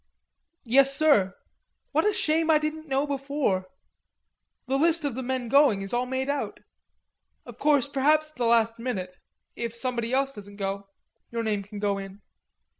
"Yes, sir." "What a shame I didn't know before. The list of the men going is all made out.... Of course perhaps at the last minute... if somebody else doesn't go... your name can go in."